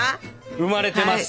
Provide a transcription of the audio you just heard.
生まれてます！